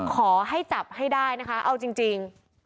ขอให้จับให้ได้นะคะเอาจริง